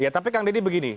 ya tapi kang deddy begini